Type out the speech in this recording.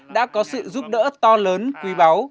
đã có sự giúp đỡ to lớn quý báu